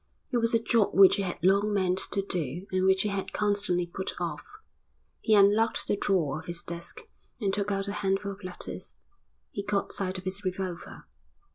It was a job which he had long meant to do and which he had constantly put off. He unlocked the drawer of his desk and took out a handful of letters. He caught sight of his revolver.